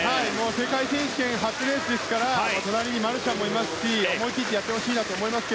世界選手権初レースですから隣にマルシャンもいますし思い切ってやってほしいです。